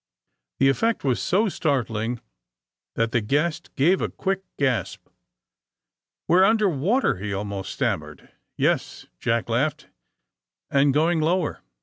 The effect was so startling that the guest gave a quick gasp. *^ We 're under water I " he almost stammered. *'Yes/' Jack langhed, '*and going lower."